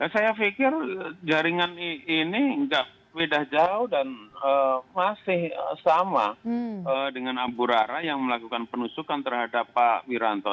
saya pikir jaringan ini nggak beda jauh dan masih sama dengan ambura yang melakukan penusukan terhadap pak wiranto